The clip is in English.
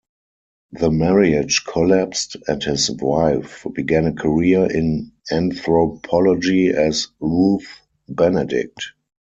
The marriage collapsed and his wife began a career in anthropology as Ruth Benedict.